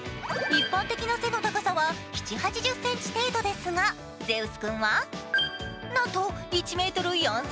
一般的な背の高さは７０８０ｃｍ程度ですが、ゼウス君はなんと１ｍ４ｃｍ。